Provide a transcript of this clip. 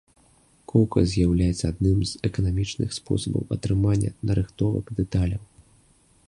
Коўка з'яўляецца адным з эканамічных спосабаў атрымання нарыхтовак дэталяў.